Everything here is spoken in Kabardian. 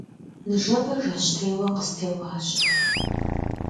Ныжэбэ жэщтеуэ къыстеуащ.